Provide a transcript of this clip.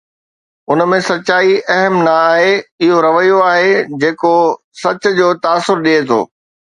ان ۾ سچائي اهم نه آهي، اهو رويو آهي جيڪو سچ جو تاثر ڏئي ٿو.